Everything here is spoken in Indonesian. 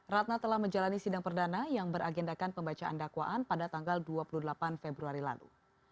ratna telah menjalani sidang perdana yang beragendakan pembacaan dakwaan pada tanggal dua puluh delapan februari lalu